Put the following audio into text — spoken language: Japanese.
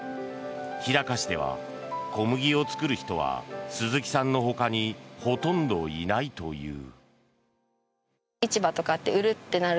日高市では小麦を作る人は鈴木さんのほかにほとんどいないという。